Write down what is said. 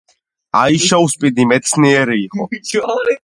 მრავალმხრივი მეცნიერი იყო.